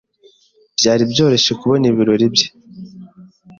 Byari byoroshye kubona ibiro bye.